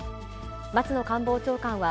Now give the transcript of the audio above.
松野官房長官は、